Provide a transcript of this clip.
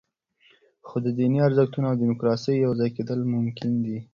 خو د دیني ارزښتونو او دیموکراسۍ یوځای کېدل ممکن دي.